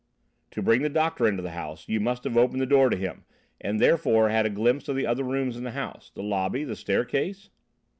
"To bring the doctor into the house, you must have opened the door to him, and therefore had a glimpse of the other rooms in the house, the lobby, the staircase?"